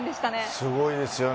すごいですよね。